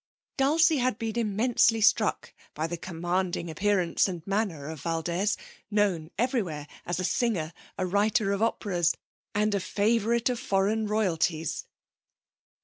Dulcie had been immensely struck by the commanding appearance and manner of Valdez, known everywhere as a singer, a writer of operas and a favourite of foreign royalties.